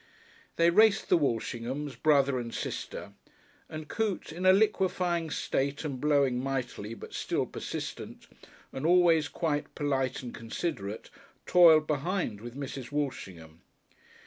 They raced the Walshinghams, brother and sister; and Coote, in a liquefying state and blowing mightily, but still persistent and always quite polite and considerate, toiled behind with Mrs. Walshingham.